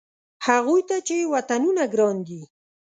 هغوی ته چې وطنونه ګران دي.